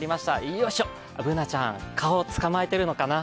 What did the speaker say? よいしょ、Ｂｏｏｎａちゃん、蚊を捕まえているのかな？